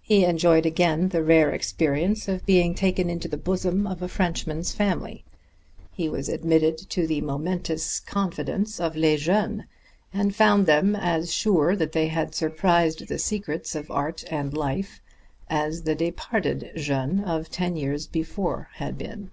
He enjoyed again the rare experience of being taken into the bosom of a Frenchman's family. He was admitted to the momentous confidence of les jeunes, and found them as sure that they had surprised the secrets of art and life as the departed jeunes of ten years before had been.